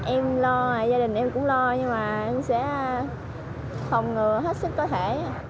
em lo gia đình em cũng lo nhưng mà em sẽ phòng ngừa hết sức cơ thể